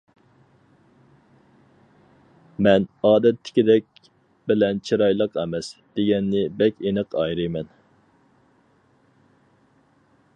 مەن «ئادەتتىكىدەك» بىلەن «چىرايلىق ئەمەس» دېگەننى بەك ئېنىق ئايرىيمەن.